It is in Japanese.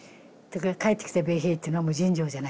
帰ってきた米兵っていうのはもう尋常じゃない。